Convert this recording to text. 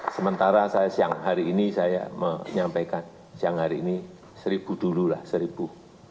sementara saya siang hari ini saya menyampaikan siang hari ini seribu dulu lah seribu